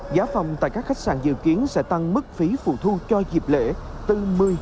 giá phòng tại các khách sạn dự kiến sẽ tăng mức phí phụ thu cho dịp lễ từ một mươi một mươi năm